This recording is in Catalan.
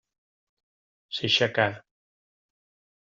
S'aixecà.